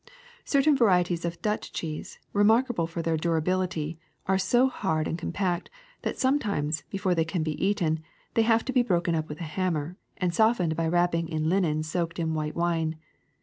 Certain varieties of Dutch cheese, re markable for their durability, are so hard and com pact that sometimes, before they can be eaten, they have to be broken up with a hammer and softened by wrapping in linen soaked in white wine.